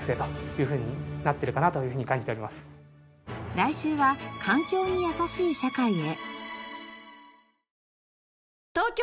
来週は環境にやさしい社会へ。